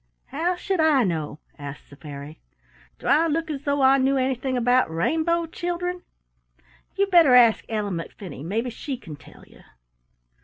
"How should I know?" asked the fairy. "Do I look as though I knew anything about rainbow children? You'd better ask Ellen McFinney; maybe she can tell you."